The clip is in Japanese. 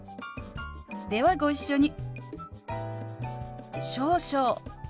ではご一緒に。